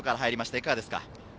いかがですか？